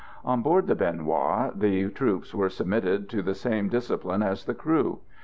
On board the Bien Hoa the troops were submitted to the same discipline as the crew.